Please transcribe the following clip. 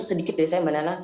sedikit deh saya mbak nana